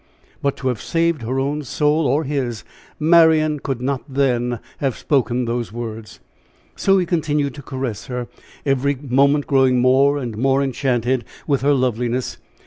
But to have saved her own soul or his, Marian could not then have spoken those words. So he continued to caress her every moment growing more and more enchanted with her loveliness.